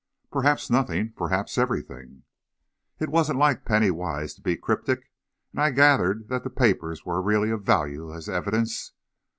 "Perhaps nothing perhaps everything." It wasn't like Penny Wise to be cryptic, and I gathered that the papers were really of value as evidence.